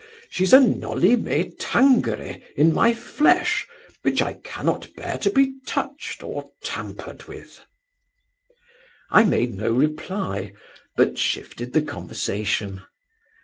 She's a noli me tangere in my flesh, which I cannot bear to be touched or tampered with.' I made no reply; but shifted the conversation.